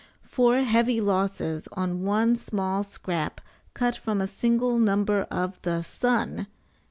FOUR HEAVY LOSSES ON ONE SMALL SCRAP CUT FROM A SINGLE NUMBER OF THE "SUN!"